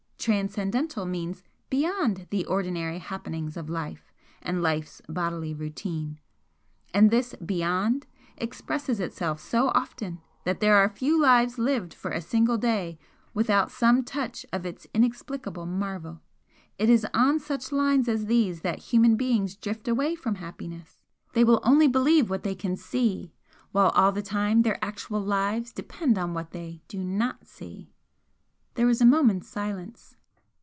'Transcendental' means BEYOND the ordinary happenings of life and life's bodily routine and this 'beyond' expresses itself so often that there are few lives lived for a single day without some touch of its inexplicable marvel. It is on such lines as these that human beings drift away from happiness, they will only believe what they can see, while all the time their actual lives depend on what they do NOT see!" There was a moment's silence.